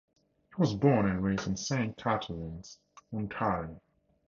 He was born and raised in Saint Catharines, Ontario.